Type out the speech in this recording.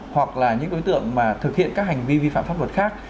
hoặc là những đối tượng mà thực hiện các hành vi vi phạm pháp luật khác